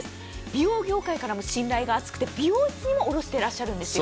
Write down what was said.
美容業界からも信頼が厚くて美容室にも卸していらっしゃるんです。